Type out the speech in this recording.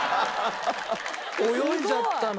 泳いじゃったのよ。